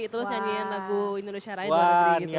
terus nyanyiin lagu indonesia raya ke luar negeri gitu